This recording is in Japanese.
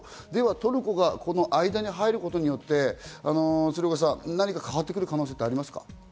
ではトルコがこの間に入ることによって、鶴岡さん、何か変わってくる可能性はありますか？